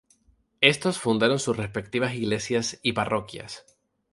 Estos fundaron sus respectivas iglesias y parroquias.